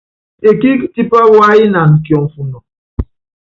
Ekíík tipá waáyinan kiɔfɔnɔ.